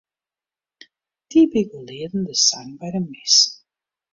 Dy begelieden de sang by de mis.